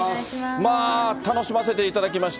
まあ、楽しませていただきました。